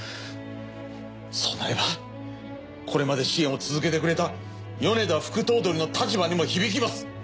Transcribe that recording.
そうなればこれまで支援を続けてくれた米田副頭取の立場にも響きます。